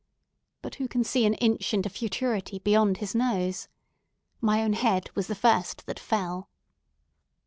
But who can see an inch into futurity beyond his nose? My own head was the first that fell.